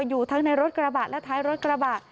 อยู่ทั้งในรถกระบะและท้ายรถกระบะ